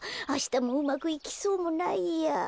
あしたもうまくいきそうもないや。